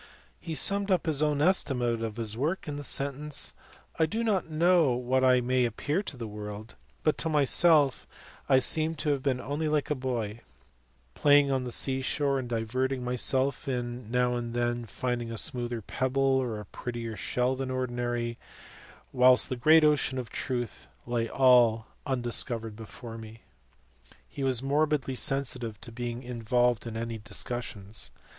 He summed up his own estimate of his work in the sentence, " I do not know what I CHARACTER OF NEWTON. 355 may appear to the world; but to myself I seem to have been only like a boy, playing on the sea shore, and diverting myself, in now and then finding a smoother pebble, or a prettier shell than ordinary, whilst the great ocean of truth lay all undis covered before me." He was morbidly sensitive to being in volved in any discussions.